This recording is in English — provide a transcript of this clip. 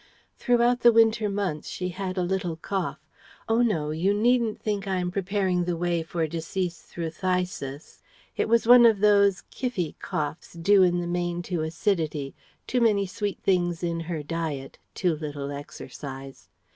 Throughout the winter months she had a little cough. Oh no, you needn't think I'm preparing the way for decease through phthisis it was one of those "kiffy" coughs due in the main to acidity too many sweet things in her diet, too little exercise.